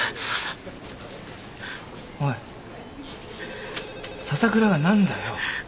☎おい笹倉が何だよ。